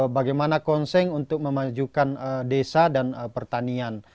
bagaimana konseng untuk memajukan desa dan pertanian